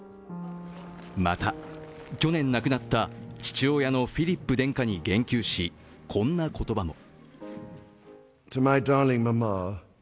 また去年亡くなった父親のフィリップ殿下に言及しこんな言葉も。